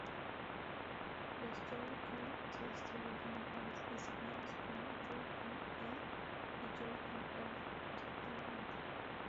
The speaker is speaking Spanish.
Los Joy-Con se distribuyen en pares, designados como "Joy-Con L" y "Joy-Con R", respectivamente.